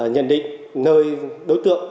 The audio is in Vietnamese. nhận định nơi đối tượng